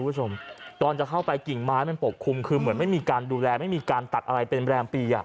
คุณผู้ชมคว่าใช่ไหมตอนจะเข้าไปกิงไม้คงมีผลไม่มีการดูแลทางการสายเป็นไป